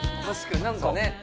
確かに何かね